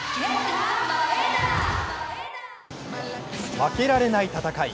負けられない戦い。